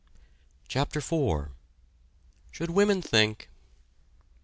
CHAPTER IV SHOULD WOMEN THINK?